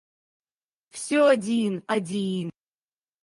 Всё один, один.